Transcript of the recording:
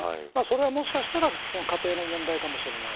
もしかしたら家庭の問題かもしれない。